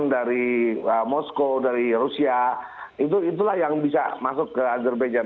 dari moskow dari rusia itulah yang bisa masuk ke azerbagian